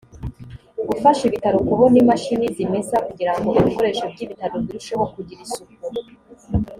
gufasha ibitaro kubona imashini zimesa kugira ngo ibikoresho by’ibitaro birusheho kugira isuku